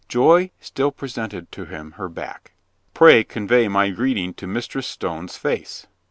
Joy still presented to him her back. "Pray convey my greeting to Mistress Stone's face."